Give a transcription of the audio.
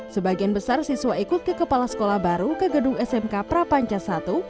sebagian besar siswa ikut ke kepala sekolah baru ke gedung smk prapanca i